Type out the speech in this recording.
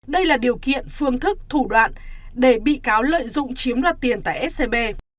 đây là điều kiện phương thức thủ đoạn để bị cáo lợi dụng chiếm đoạt tiền tại scb